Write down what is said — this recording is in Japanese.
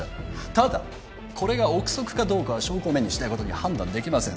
ただこれが臆測かどうかは証拠を目にしないことには判断できません